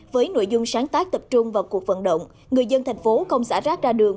với nội dung sáng tác tập trung vào cuộc vận động người dân thành phố không xả rác ra đường